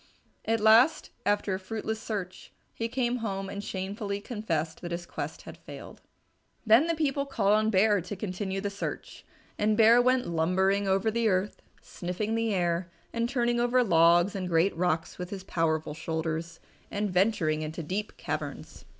At last, after a fruitless search, he came home and shamefully confessed that his quest had failed. Then the people called on Bear to continue the search. And Bear went lumbering over the earth, sniffing the air, and turning over logs and great rocks with his powerful shoulders, and venturing into deep caverns.